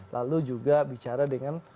lalu juga bicara dengan